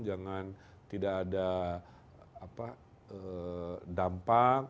jangan tidak ada dampak